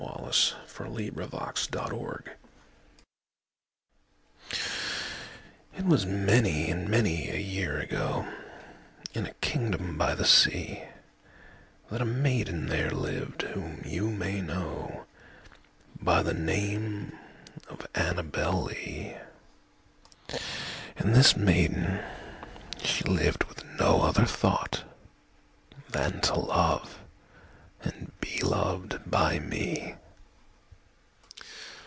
Rudyard Kipling. Annabel Lee It was many and many a year ago, In a kingdom by the sea, That a maiden there lived whom you may know By the name of Annabel Lee; And this maiden she lived with no other thought Than to love and be loved by me.